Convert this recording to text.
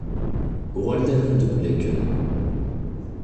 Uɣal-d ad neddukel akken.